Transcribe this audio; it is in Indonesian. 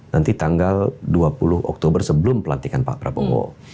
nanti tanggal dua puluh oktober sebelum pelantikan pak prabowo